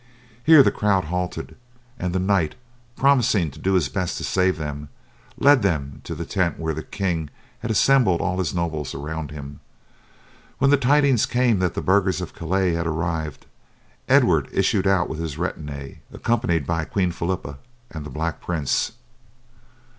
Here the crowd halted, and the knight, promising to do his best to save them, led them to the tent where the king had assembled all his nobles around him. When the tidings came that the burghers of Calais had arrived, Edward issued out with his retinue, accompanied by Queen Philippa and the Black Prince.